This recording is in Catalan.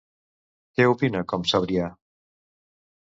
Què opina com Sebrià?